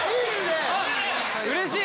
うれしい！